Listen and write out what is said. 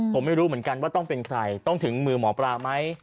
ผมไม่รู้เหมือนกันว่าต้องเป็นใครต้องถึงมือหมอปลาไหม